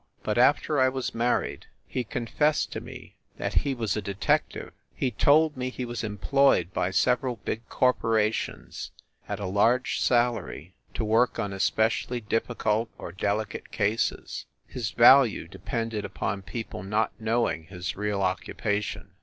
But after I was married he confessed to me that he was a de tective. He told me he was employed by several big corporations at a large salary to work on espe cially difficult or delicate cases. His value depended upon people not knowing his real occupation.